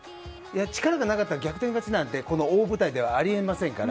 力がなかったら逆転勝ちなんてこの大舞台ではありえませんから。